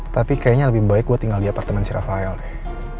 tapi kayaknya lebih baik gue tinggal di apartemen si rafael deh